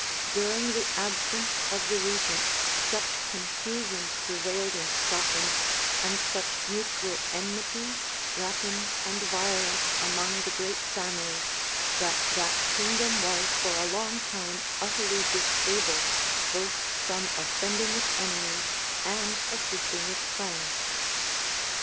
During the absence of the regent, such confusions prevailed in Scotland, and such mutual enmity, rapine, and violence among the great families, that that kingdom was for a long time utterly disabled both from offending its enemies and assisting its friends.